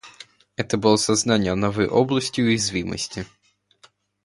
Это было сознание новой области уязвимости.